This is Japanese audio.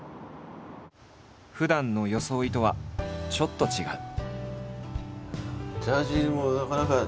ふだんの装いとはちょっと違う。